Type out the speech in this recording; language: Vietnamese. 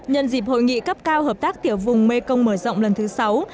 nhân dịp hội nghị cấp cao hợp tác tiểu vùng mekong mở rộng lần thứ sáu